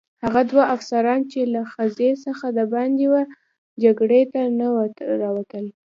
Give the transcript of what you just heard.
هغه دوه افسران چې له خزې څخه دباندې وه جګړې ته نه راوتل.